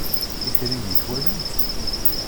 Itri-nni twalam-t?